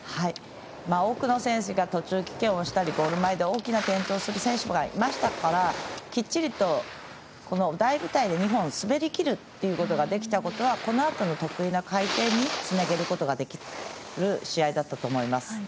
多くの選手が途中棄権をしたりゴール前で大きな転倒をする選手がいましたからきっちりと大舞台で２本滑りきることができたことはこのあとの得意な回転につなげることができる試合だったと思います。